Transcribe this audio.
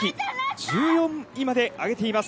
１４位まであげています。